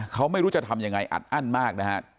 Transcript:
เขาไม่รู้จะทำยังไงอัดอั้นมากนะฮะ